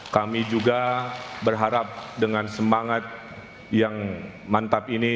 kami juga berharap dengan semangat yang mantap ini